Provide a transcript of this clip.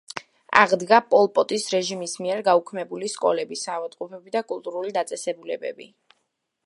აღდგა პოლ პოტის რეჟიმის მიერ გაუქმებული სკოლები, საავადმყოფოები და კულტურული დაწესებულებები.